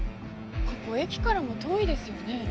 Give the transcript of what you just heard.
ここ駅からも遠いですよね？